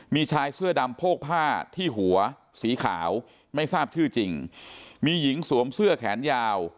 มีชายเสื้อดำโพกผ้าที่หัวสีขาวไม่ทราบชื่อจริงมีหญิงสวมเสื้อแขนยาว